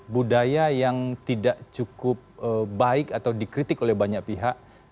budaya yang tidak cukup baik atau dikritik oleh banyak pihak